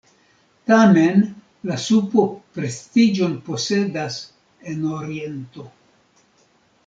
Tamen la supo prestiĝon posedas en Oriento.